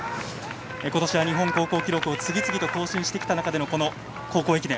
ことしは日本高校記録を次々と更新して北中でのこの高校駅伝。